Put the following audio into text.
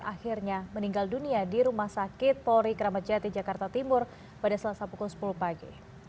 akhirnya meninggal dunia di rumah sakit polri kramat jati jakarta timur pada selasa pukul sepuluh pagi